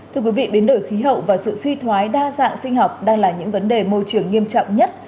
thưa quý vị biến đổi khí hậu và sự suy thoái đa dạng sinh học đang là những vấn đề môi trường nghiêm trọng nhất